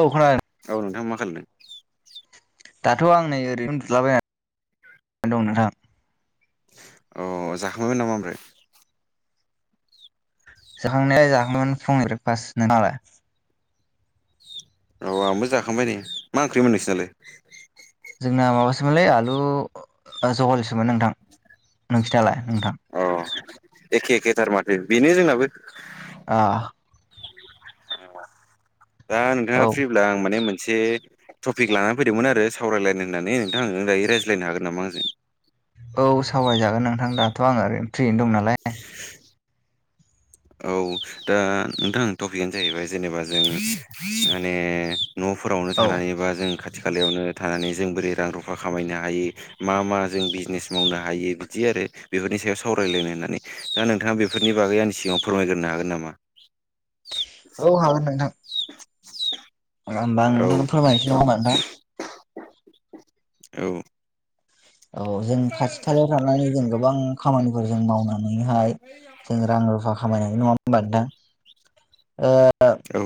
औ खोनादों। औ नोंथाङा मा खालामदों? दाथ' आं नै ओरैनो उनदुलाबायना दं नोंथां। अ' जाखांबायमोन नामा ओमफ्राय? जखांनाया जाखांबायमोन फुंनि ब्रेक फास्ट। नोंहालाय? औ आंबो जाखांबाय नै। मा ओंख्रि मोन नोंसोरनालाय? जोंना माबासोमोनलै आलु ज'ह'लसोमोन नोंथां। नोंस्रालाय नोंथां? अ' एखे-एखे थार माथो बेनो जोंनाबो। आ। दा नोंथाङा फ्रिब्ला आं माने मोनसे टपिक लानानानै फैदोंमोन आरो सावराय लायनो होननानै नोंथां आङो, नोङो दायो रायज्लायनो हागोन नामा आंजों? औ सावरायजागोन नोंथां दाथ' आं ओरैनो फ्रियैनो दं नालाय। औ दा नोंथां टपिकआनो जाहैबाय जेनेबा जों माने न'फोरावनो औ थानानै बा जों खाथि खालायावनो थानानै जों बोरै रां रुफा खामायनो हायो। मा मा जों बिजनेस मावनो हायो बिदि आरो बेफोरनि सायाव सावरायलायनो होननानै। दा नोंथाङा बेफोरनि बागै आंनि सिगाङाव फोरमायग्रोनो हागोन नामा? औ हागोन नोंथां। [unintelligible] र' होनबा आं औ नोंथांनो फोरमायनोसै नङा होनबा नोंथां। औ औ जों खाथि खालायाव थानानै जों गोबां खामानिफोर जों मावनानैहाय जों रां रुफा खामायनानै नङा होमबा नोंथां? ओ औ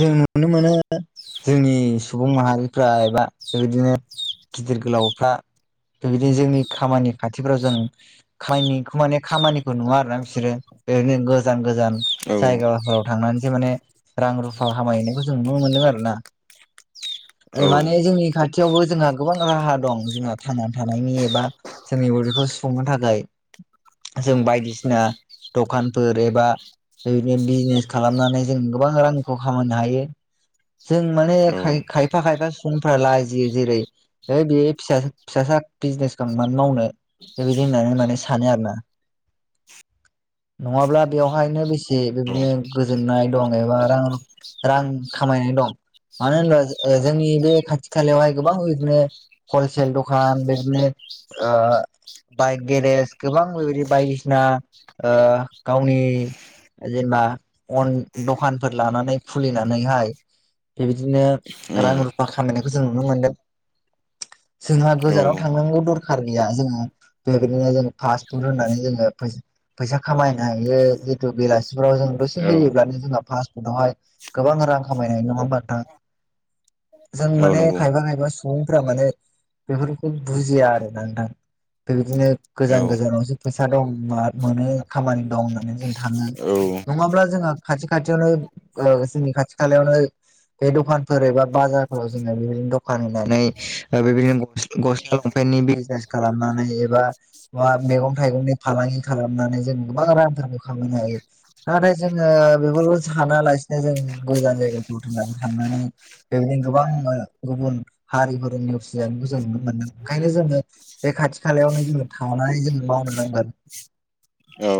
जों नुनो मोनो जोंनि सुबुं माहारिफ्रा एबा बेबायदिनो गिदिर गोलावफ्रा बेबायदिनो जोंनि खामानि खाथिफ्राव जों खाहानिखौ माने खामानिखौ नुवा आरोना बिसोरो ओरैनो गोजान गोजान जायगाफोराव थांनानैसो माने रां रुफा खामायहैनायखौ जों नुनो मोनदों आरो ना? औ माने जोंनि खाथियावबो जोंहा गोबां राहा दं जोंहा थांनानै थानायनि एबा जोंनि बखौ सुफुंनो थाखाय जों बायदिसिना दखानफोर एबा बिदिनो बिजनेस खालामनानै जों गोबां रांखौ खामायनो हायो। जों माने औ खायफा खायफा समफ्रा लाजियो जेरै बे फिसा फिसासा बिजनेसखौ आं मानो मावनो बेबायदि होननानै माने सानो आरोना? नङाब्ला बेवहायनो बेसे बिदिनो गोजोननाय दं एबा रां रां खामायनाय दं। मानो होनबा जोंनि बे खाथि खालायावहाय गोबां बिदिनो हलसेल दं। फान बेगनेत ओ बाइक गेरेज गोबां बेबायदि बायदिसिना ओ गावनि जेनेबा अन दखानफोर लानानै खुलिनानैहाय बेबायदिनो रां उम रुफा खामायनायखौ जों नुनो मोन्दों। जोंहा औ गोजानाव थांनांगौ दरखार गैया जोङो बेबायदिनो जों फास्फुद होननानै जोङो फैसा फैसा खामायनो हायो जितु बेलासिफोराव जों औ दसे होयोब्लानो जोंहा पासपुतआवहाय गोबां रां खामायनाय नङा होमबा नोंथां? जों औ माने नंगौ खायफा खायबा सुबुंफोरा माने बेफोरखौ बुजिया आरो ना नोंथां? बेबायदिनो औ गोजान गोजानावसो फैसा दं मोनो खामानि दं होननानै जों थाङो। औ नङाब्ला जोंहा खाथि खाथियावनो जोंनि खाथि खालायावनो बे दखानफोर एबा बाजारफोराव जोङो बिबायदिनो दखान होनानै ओ बिबायदिनो गस्ला लंफेन्टनि बिजनेस खालामनानै एबा बा मैगं थाइगंनि फालांगि खालामनानै जों गोबां रांफोरखौ खामनो हायो। नाथाय जोङो बेखौल' सानालासिनो जों गोजान जायगाखौथुमनानै थांनानै बेबायदिनो गोबां गुबुन हारिफोर नेवसियानो जों नुनो मोनदों ओंखायनो जोङो बे खाथि खालायावनो जोङो थानानै जोंङो मावनो नांगोन। औ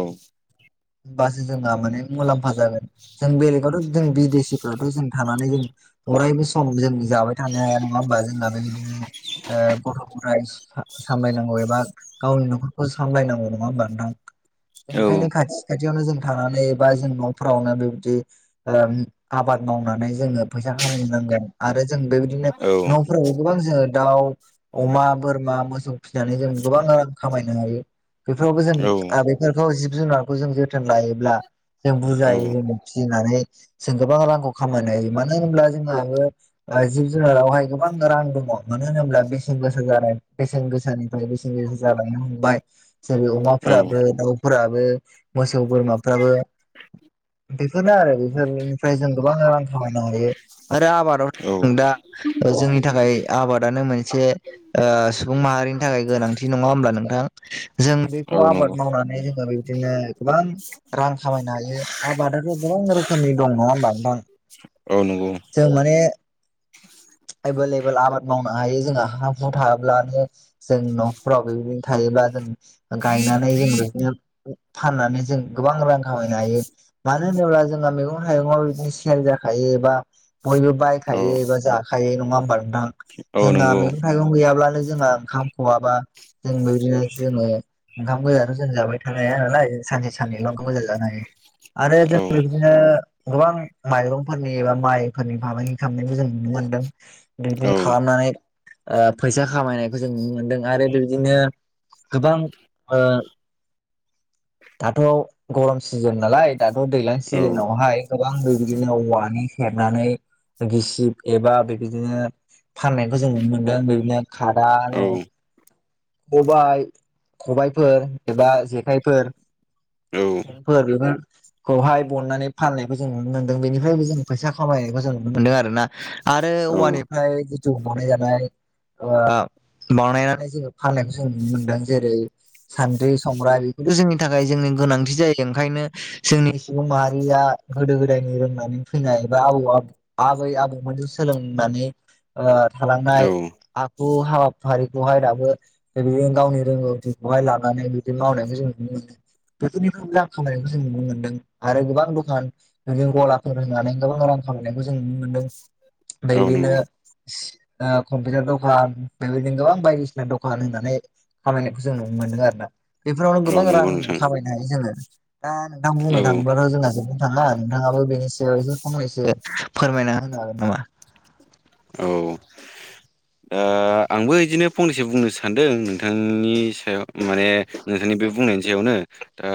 बासो जोङो माने मुलाम्फा जागोन। जों बेलेगावथ' जों बिदेसिफावथ' जों थानानै जों अरायबो सम जों जाबाय थानो हाया नङा ओमबा जोंना बेबायदिनो गथ' ग'थाय सामलायनांगौ एबा गावनि न'खरखौ सामलायनांगौ नङा ओमबा नोंथां ज औ ओंखायनो खाथि खाथियावनो जों थानानै एबा जों न'फोरावनो बेबायदि आबाद मावनानै जोङो फैसा खामानिनांगोन आरो जों बेबायदिनो न'फोराव गोबां जोङो दाउ अमा बोरमा मोसौ फिसिनानै जों गोबां रां खामायनो हायो। बेफोरावबो जों औ बेफोरखौ जिब जुनारखौ जों जोथोन लायोब्ला जों औ बुरजायो जों फिसिनानै जों गोबां रांखौ खामायनो हायो मानो होनब्ला जोंहाबो जिब जुनारावहाय गोबां रां दङ मानो होनोब्ला बेसेन गोसा जानाय बेसेन गोसाानिफ्राय बेसेन गोसा जालायनो हमबाय। जेरै अमाफोराबो दाउफोराबो मोसौ बोरमाफ्राबो बेफोरनो आरो बेफोरनिफ्राय जों गोबां रां खामायनो हायो। आरो आबादावथ' जों औ दा जोंनि थाखाय आबादानो मोनसे ओ सुबुं माहारिनि थाखाय गोनांथि नङा होमब्ला नोंथां जों बेखौ औ नंगौ आबाद मावनानै जोङो बे जोङो गोबां रां खामायनो हायो आबादाथ' गोबां रोखोमनि दं नङा होमबा नोंथां औ नंगौ जों माने एभेल एबोेल आबाद मावनो हायो जोंहा हा हु थाब्लानो जों न'फ्राव बेबायदि थायोब्ला जों गायनानै जों बिदिनो फाननानै जों गोबां रां खामायनो हायो। मानो होनोब्ला जोंहा मैगं थाइगंयाव बिदिनो सेल जाखायो एबा बयबो औ बायखायो एबा जाखायो नङा ओमबा नोंथां? औ जोंहा नंगौ मैगं थाइगं गैयाब्लानो जोंहा ओंखाम खआाबा जों बेदिनो जोङो ओंखाम गोजाथ' जों जाबाय थ ह नालाय सानसे सानैल' ओंखाम गोजान जानो हायो आरो औ जों बिदिनो गोबां माइरंफोरनि एबा माइफोरनि फालांगि खालामनायखौ जों नुनो मोनदों औ दैदिन खालामनानै फैसा खामायनायखौ जों नुनो मोनदों आरो बेबायदिनो गोबां [unintelligible] दाथ' गरम सिजोन नालाय दाथ' दैज्लां औ सिजोनावहाय गोबां बेबायदिनो औवानि हेबनानै गिसिब एबा बेबायदिनो फाननाय जों नुनो मोन्दों बेदिनो औ खादानो खबाइ खबायाइफोर एबा जेखाइफोर औ [unintelligible] खौहाय बननानै फाननायखौ जों नुनो मोन्दों बेनिफ्रायबो जों फैसा खामायनायखौ जों नुनो मोन्दों आरो ना आरो नंगौ औवानिफ्राय जिथु बनाय जानाय बानायनानै जोङो फाननायखौ जों नुनो मोनदों जेरै सान्द्रि संग्रा बेफोरथ' जोंनि थाखाय जोंनि गोनांथि जायो ओंखायनो जोंनि सुबुं माहारिया गोदो गोदायनि रोंनानै फैनाय एबा आबौ आबै आबै आबौमोनजों सोलोंनानै ओ थालांनाय हु हाबाफारिखौहाय दाबो बेजों गावनि रोंगौथिखौहाय लानानै बिदि मावनायखौ जों नुनो मोनो बेफोरनिफ्राय रां खामायनायखौ जों नुनो मोन्दों आरो गोबां दखान बिदिनो गलाफोर होनानै गोबां रां खामायनायखौ जों नुनो मोनदों ओमफ्राय औ बिदिनो नंगौ ओ कम्पिउटार दखान बेबायदिनो गोबां बायदिसिना दखान होननानै खामायनायखौ जों नुनो मोन्दों आरोना बेफोरावनो गोबां रां नोंथां खाबायनो हायो जोङो दा नोंथां बुंनो थाङोबाथ' जोंहा जोबोद थाङा नोंथाङाबो बेनि सायाव एसे फंनैसो फोरमायना होनो हागोन नामा औ ओ आंबो इदिनो फंनैसो बुंनो सानदों नोंथांनि सायाव माने नोंथांनि बे बुंनायनि सायावनो ओ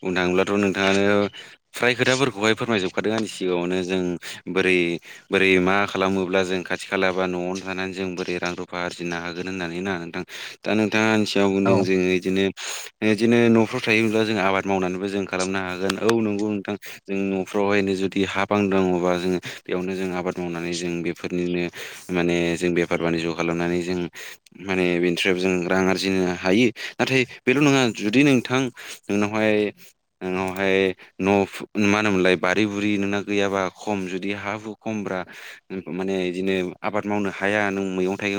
बुंनो थाङोब्लाथ' नोंथाङानो फ्राय खोथाफोरखौहाय फोरमायजोबखादों आंनि सिगाङावनो जों बोरै बोरै मा खालामोब्ला जों खाथि खाला बा न'आवनो थानानै जों बोरै रां रुफा आरजिनो हागोन होननानै ना नोंथां दा नोंथाङा आंनि सिगाव औ बुंदों जोङो बिदिनो बिदिनो न'फ्राव थायोब्ला जों आबाद मावनानैबो जों खालामनो हागोन औ नंगौ नोंथां जों न'फ्रावहायनो जुदि हा बां दङबा जोंङ बेयावनो जों आबाद मावनानै जों बेफोरनिनो माने जों बेफार बानिज्य खालामनानै जों माने बेनिफ्राय जों रां आरजिनो हायो नाथाय बेल' नङा जुदि नोंथां उोंनावहाय उनावहाय न' मा होनोमोनलाय बारि बुरि नोंना गैयाबा खम जुदि हा हु खमब्रा। माने बिदिनो आबाद मावनो हाया नों मैगं नाथाय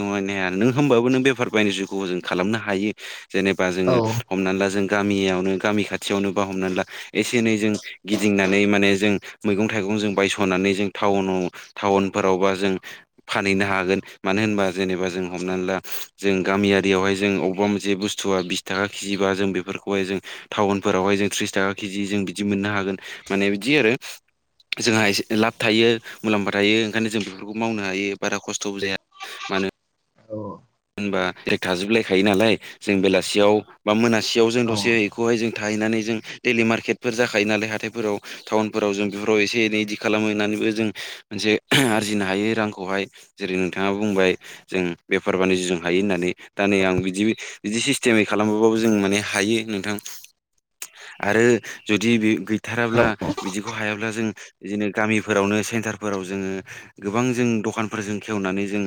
नों होमबो नों बेफार बानिज्यखौ जों खालामनो हायो जेनेबा औ जोङो हमनानै ला जों गामियावनो गामि खाथियावनो बा हमनानै ला एसे एनै जों गिदिंनानै माने जों मैगं थाइगं जों बायस'नानै जों टाउनाव टाउनफोरावबा जों फानहैनो हागोन मानो होनबा जेनेबा जों हमनानै ला जों गामियारियावहाय जों अबा मोनसे बुस्थुआ बिस थाखा केजि बा जों बेफोर जों टाउनफोरावहाय जों थ्रिस थाखा केजि जों बिदि मोननो हागोन माने बिदि आरो जोंहा एसे लाब थायो मुलाम्फा थायो ओंखायनो जों बेफोरखौ मावनो हायो बारा खस्थ'बो जाया मानो औ। होनबा थाजोबलायखायो नालाय जों बेलासियाव बा मोनासेयाव जों औ दसे खौहाय जों थाहैनानै जों दैलि मार्केटफोर जाखायो नालाय हाथायफोराव टाउनफोराव जों बेफोराव एसे एनै इदि खालाम हैनानैबो जों मोनसे आरजिनो हायो रांखौहाय। जेरै नोंथाङा बुंबाय जों बेफार बानिज्यजों हायो होननानै दा नै आं बिदि बिदि सिस्टेमै खालामबाबो जों माने हायो नोंथां। आरो जुदि बे औ गैथाराब्ला बिदिखौ हायाब्ला जों बिदिनो गामिफोरावनो सेन्टारफोराव जोङो गोबां जों दखानफोरजों खेवनानै जों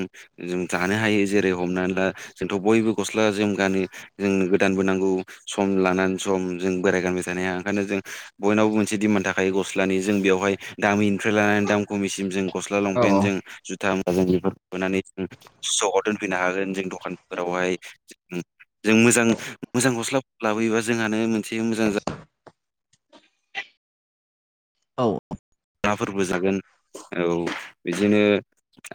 जों जानो हायो जेरै हमनानै ला जोंथ' बयबो गस्ला जोम गानो जोंनो गोदानबो नांगौ सम लानानै सम जों बोराय गानबाय थानो हाया ओंखायनो जों बयनावबो मोनसे दिमाण्ड थाखायो गस्लानि जों बेयावहाय दामिनिफ्राय लानानै दाम कमिसिम जों गस्ला औ लंपेन्टजों जुथा मुवाजों बेफोरखौ खालामनानै सकआव दोनफैनो हागोन जों दखानफोरावहाय जों मोजां मोजां गस्ला लाबोयोबा जोंहानो मोनसे मोजां औ नाफोरबो जागोन औ बिदिनो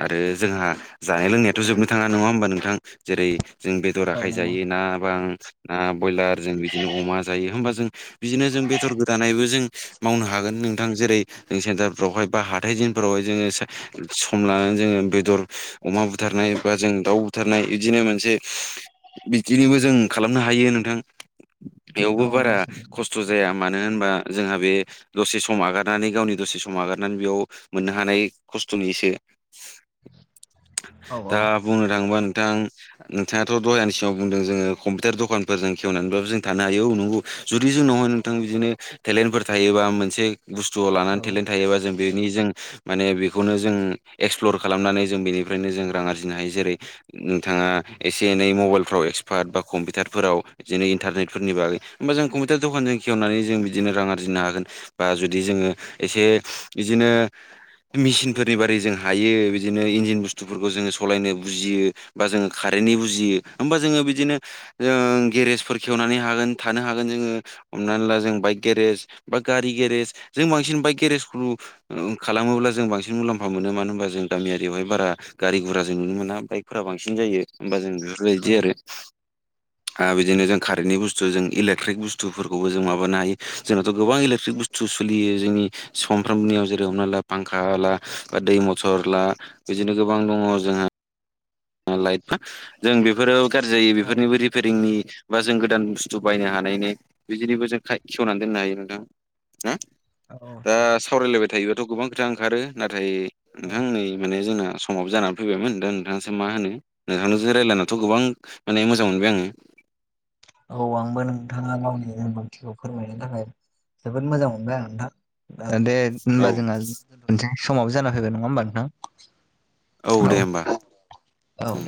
आरो जोंहा जानाय लोंनायाथ' जोबनो थाङा नङा होमबा नोंथां जेरै जों बेदर औ आखाइ नंगौ जायो ना बां ना ब्रयलार जों बिदिनो अमा जायो होमबा जों बिदिनो जों बेदर गोदानायबो जों मावनो हागोन नोंथां जेरै जों सेन्टारफोरावहाय बा हाथाय दिनफोरावहाय जोङो सम लानानै जोङो बेदर अमा बुथारनाय बा जों दाउ बुथारनाय इदिनो मोनसे बिदिनोबो जों खालामनो हायो नोंथां। बेयावबो औ बारा नंगौ सैथो खस्थ' जाया मानो होनबा जोंहा बे दसे सम आगार नानै गावनि दसे सम नागारनानै बेयाव मोननो हानाय खस्थ'निसो औ औ दा बुंनो थाङोबा नोंथां नोंथाङाथ' दहाय आंनि सिगाङाव बुंदों जोङो कम्पिउटार दखानफोरजों खेवनानैब्लाबो जों थानो हायो औ नंगौ जुदि जोंनाव थां बिदिनो टेलेन्टफोर थायोबा मोनसे बुस्थुआव औ लानानै टेलेन्ट थायोबा जों बेनि जों माने बेखौनो जों एक्सप्लर खालामनानै जों बेनिफ्रायनो जों रां आरजिनो हायो जेरै नोंथाङा एसे एनै मबाइलफ्राव एक्सपार्ट बा कम्पिउटारफोराव बिदिनो इन्टारनेटफोरनि बागै होमबा जों कम्पिउटार दखानजों खेवनानै जों बिदिनो रां आर्जिनो हागोन। बा जुदि जोङो एसे बिदिनो मेसिनफोरनि बारै जों हायो बिदिनो इन्जिन बुस्थुफोरखौ जोङो सलायनो बुजियो बा जोङो खारेन्टनि बुजियो होमबा जोङो बिदिनो जों गेरेजफोर खेवनानै हागोन थानो हागोन जोङो हमनानै ला जों बाइक गेरेज बा गारि गेरेज जों बांसिन बाइक गेरेजखौ खालामोब्ला जों बांसिन मुलाम्फा मोनो मानो होनबा जों गामियारियावहाय बारा गारि गुराजों नुनो मोना बाइकफोरा बांसिन जायो होमबा जों बेफोरबायदि आरो। आरो बिदिनो जों कारेन्टनि बुस्थु जों इलेक्ट्रिक बुस्थुफोरखौबो जों माबानो हायो जोंनाथ' गोबां इलेट्रिक बुस्थ थु सोलियो जोंनि सानफ्रामबोनियाव जेरै हमना ला फांखा ला बा दै मथर ला बिदिनो गोबां दङ जोंहा लाइट बा जों बेफोरो गाज्रि जायो औ बेफोरनिबो रिंनि बा जों गोदान बुस्थु बायनो हानायनि बिदिनिबो जों खेवनानै दोननो हायो नोंथां। हा औ दा औ सावरायलायबाय थायोबाथ' गोबां खोथा ओंखारो नाथाय औ नोंथां नै माने जोंना सम समाबो जानानै फैबायमोन दा नोंथाङासो मा होनो नोंथांजों रायज्लायनाथ' गोबां माने मोजां मोनबाय आङो औ आंबो नोंथाङा गावनि रोंगौथिखौ फोरमायनि थाखाय जोबोद मोजां मोनबाय आं नोंथां। दे होनबा जोंहा दोनसै समावबो जाना फैबाय नङा होमबा नोंथां औ दे होमबा औ। उम